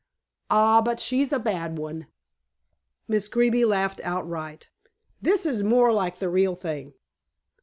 Ah, but she's a bad one." Miss Greeby laughed outright. "This is more like the real thing."